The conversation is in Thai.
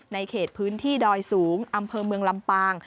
เขตพื้นที่ดอยสูงอำเภอเมืองลำปาง